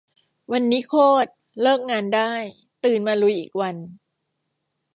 วันนี้ โคตร เลิกงานได้ ตื่นมาลุยอีกวัน